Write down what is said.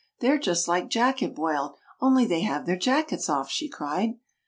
They're just like jacket boiled, only they have their jackets off," she cried.